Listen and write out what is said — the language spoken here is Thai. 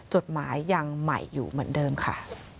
จดหมายยังใหม่อยู่เหมือนเดิมค่ะ